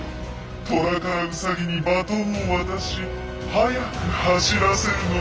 トラからウサギにバトンを渡し速く走らせるのだ。